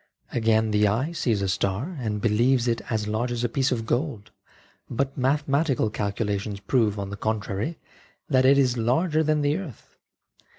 Again, the eye sees a star and believes it as large as a piece of gold, but mathematical calcu lations prove, on the contrary, that it is larger than the earth.